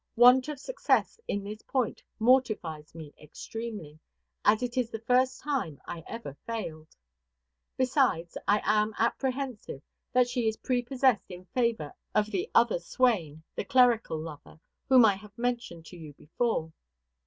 Want of success in this point mortifies me extremely, as it is the first time I ever failed. Besides, I am apprehensive that she is prepossessed in favor of the other swain, the clerical lover, whom I have mentioned to you before.